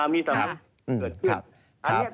มีสำเนต